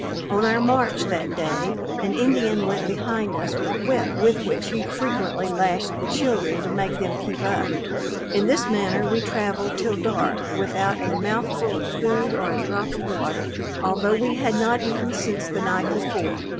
On our march that day, an Indian went behind us with a whip, with which he frequently lashed the children to make them keep up. In this manner we travelled till dark without a mouthful of food or a drop of water; although we had not eaten since the night before.